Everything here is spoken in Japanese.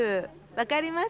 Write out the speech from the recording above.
分かります？